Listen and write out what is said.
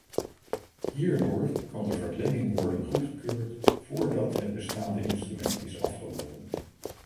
Hierdoor kan de verlenging worden goedgekeurd voordat het bestaande instrument is afgelopen.